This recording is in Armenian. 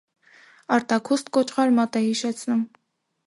Արտաքուստ կոճղարմատ է հիշեցնում։